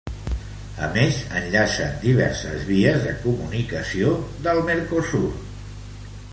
A més, enllacen diverses vies de comunicació del Mercosur.